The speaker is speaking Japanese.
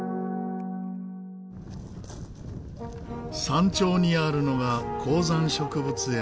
山頂にあるのが高山植物園。